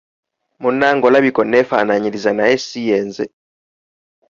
Munnange olabika onnefaanyiriza naye si ye nze.